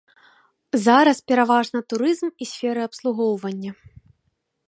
Зараз пераважна турызм і сферы абслугоўвання.